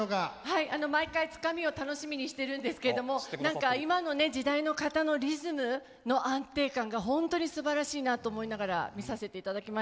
毎回つかみを楽しみにしてるんですけれども何か今の時代のかたのリズムの安定感が本当にすばらしいなと思いながら見させていただきました。